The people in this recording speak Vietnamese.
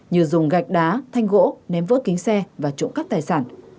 như dùng gạch đá thanh gỗ ném vỡ kính xe và trộm cắp tài sản